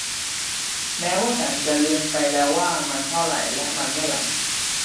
แม้ว่าฉันจะลืมไปแล้วว่ามันเท่าไหร่ และมันเมื่อไหร่